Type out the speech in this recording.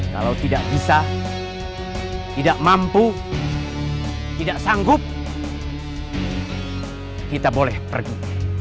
kalau tidak bisa tidak mampu tidak sanggup kita boleh pergi